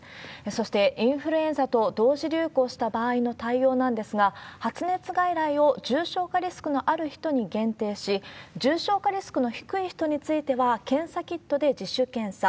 そして、インフルエンザと同時流行した場合の対応なんですが、発熱外来を重症化リスクのある人に限定し、重症化リスクの低い人については、検査キットで自主検査。